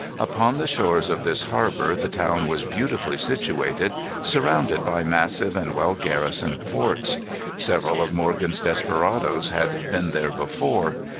Upon the shores of this harbor the town was beautifully situated, surrounded by massive and well garrisoned forts. Several of Morgan's desperadoes had been there before.